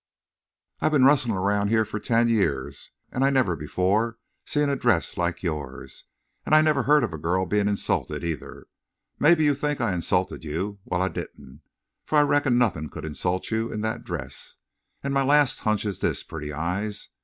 I've been rustlin' round here ten years, an' I never before seen a dress like yours—an' I never heerd of a girl bein' insulted, either. Mebbe you think I insulted you. Wal, I didn't. Fer I reckon nothin' could insult you in thet dress.... An' my last hunch is this, Pretty Eyes.